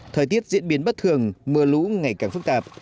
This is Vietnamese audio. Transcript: thời tiết diễn biến bất thường mưa lũ ngày càng phức tạp